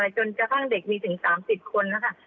จนเจ้าข้างเด็กมีถึง๓๐คนนะคะ